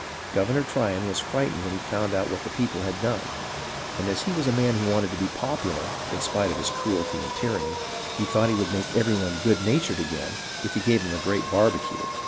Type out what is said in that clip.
Governor Tryon was frightened when he found out what the people had done, and as he was a man who wanted to be popular in spite of his cruelty and tyranny, he thought he would make every one good natured again if he gave a great barbecue.